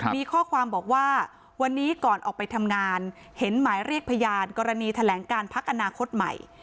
มีข้อความบอกว่าวันนี้ก่อนออกไปทำงานเห็นหมายเรียกพยานกรณีแถลงการพักอนาคตใหม่